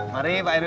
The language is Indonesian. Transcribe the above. mari pak rw